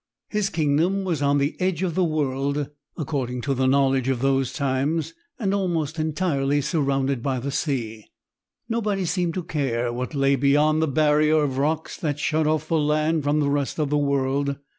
His kingdom was on the edge of the world, according to the knowledge of those times, and almost entirely surrounded by the sea. Nobody seemed to care what lay beyond the barrier of rocks that shut off the land from the rest of the world.